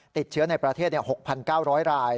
ติดเชื้อในประเทศ๖๙๐๐ราย